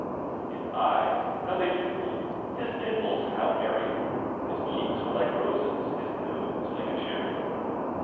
His eyes â how they twinkled! â his dimples how merryt His cheeks were like roses, his nose like a cherry!